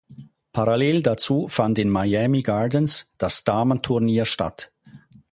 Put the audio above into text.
Parallel dazu fand in Miami Gardens das Damenturnier statt.